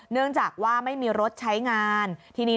เนื่องจากว่าไม่มีรถใช้งานทีนี้